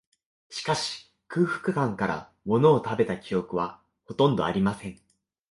しかし、空腹感から、ものを食べた記憶は、ほとんどありません